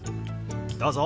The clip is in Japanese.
どうぞ！